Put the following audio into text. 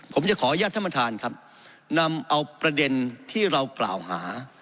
ผมจะขออนุญาตท่านประธานครับนำเอาประเด็นที่เรากล่าวหา